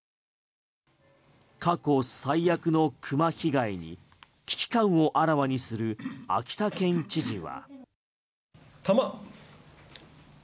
過去最悪のクマ被害に危機感をあらわにする秋田県知事は。